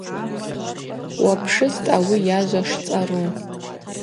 Уапшыстӏ ауи йажва шцӏару.